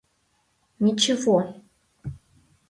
Ничево!